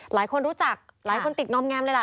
หลายคนรู้จักหลายคนติดงอมแงมเลยล่ะ